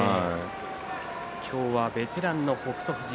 今日はベテランの北勝富士。